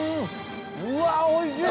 うわ、おいしい！